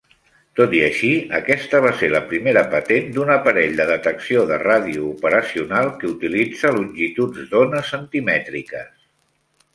Tot i així, aquesta va ser la primera patent d'un aparell de detecció de ràdio operacional que utilitza longituds d'ona centimètriques.